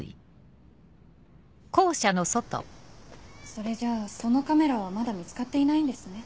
それじゃあそのカメラはまだ見つかっていないんですね？